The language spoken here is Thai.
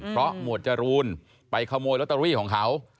เพราะหมวดจรูนไปขโมยลอตเตอรี่ของเขา